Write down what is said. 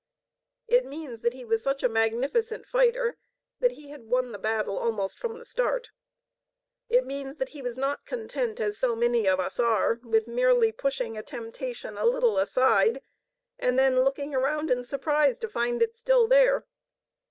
It means that he was such a magnificent fighter that he had won the battle almost from the start. It means that he was not content, as so many of us are, with merely pushing a temptation a little aside, and then looking around in surprise to find it still there.